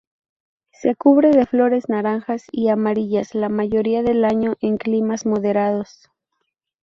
Se cubre de flores naranjas y amarillas la mayoría del año en climas moderados.